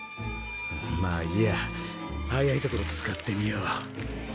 まあいいや早いところ使ってみよう。